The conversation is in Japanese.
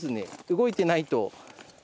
動いてないと。